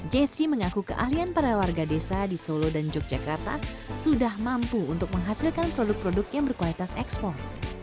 jessie mengaku keahlian para warga desa di solo dan yogyakarta sudah mampu untuk menghasilkan produk produk yang berkualitas ekspor